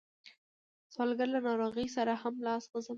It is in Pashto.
سوالګر له ناروغۍ سره هم لاس غځوي